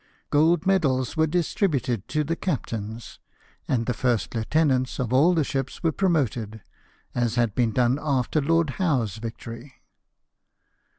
Gold medals were distributed to the captains, and the first lieutenants of all the ships were promoted, as had been done after Lord Howe's victory.